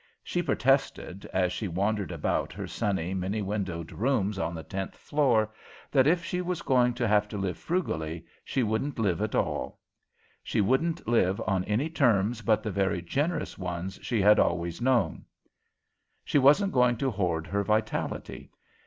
She protested, as she wandered about her sunny, many windowed rooms on the tenth floor, that if she was going to have to live frugally, she wouldn't live at all. She wouldn't live on any terms but the very generous ones she had always known. She wasn't going to hoard her vitality.